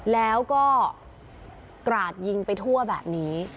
แล้วก็กราดยิงไปทั่วแบบนี้